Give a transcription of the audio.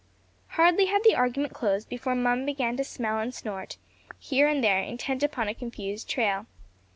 Hardly had the argument closed before Mum began to smell and snort, here and there, intent upon a confused trail.